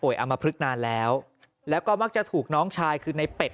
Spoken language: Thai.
อามพลึกนานแล้วแล้วก็มักจะถูกน้องชายคือในเป็ด